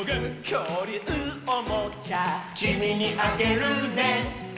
「きょうりゅうおもちゃ」「きみにあげるね」